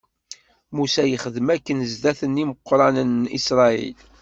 Musa yexdem akken zdat n imeqranen n Isṛayil.